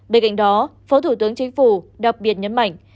bên cạnh đó phó thủ tướng chính phủ đặc biệt nhấn mạnh